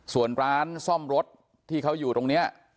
ส่วนร้านซ่อมรถที่เขาอยู่ตรงนี้